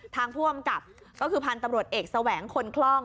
ทางผู้อำกับก็คือพันธุ์ตำรวจเอกแสวงคนคล่อง